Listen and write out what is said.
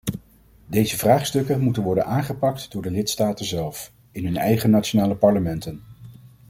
Deze vraagstukken moeten worden aangepakt door de lidstaten zelf, in hun eigen nationale parlementen.